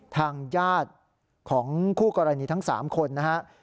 ทางญาติของคู่กรณีทั้ง๓คนนะครับ